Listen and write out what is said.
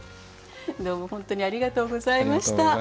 どうも本当にありがとうございました。